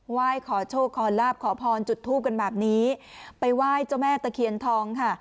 ไหว้ขอโชคขอลาบขอพรจุดทูปกันแบบนี้ไปไหว้เจ้าแม่ตะเคียนทองค่ะ